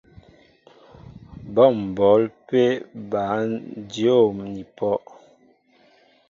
Bɔ́ m̀bǒl pé bǎn dyǒm ni pɔ́.